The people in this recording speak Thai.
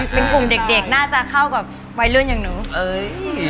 เป็นกลุ่มเด็กน่าจะเข้ากับวัยรุ่นอย่างหนูเอ้ย